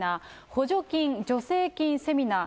補助金・助成金セミナー。